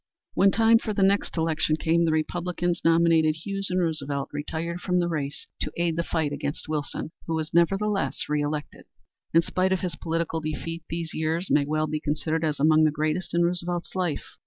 When time for the next election came, the Republicans nominated Hughes and Roosevelt retired from the race to aid the fight against Wilson, who was nevertheless reelected. In spite of his political defeat these years may well be considered as among the greatest in Roosevelt's life.